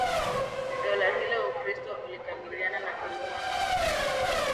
dola hilo Ukristo ulikabiliana na dhuluma kama vile